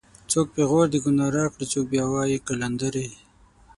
څوک پېغور د گناه راکړي څوک بیا وایي قلندرې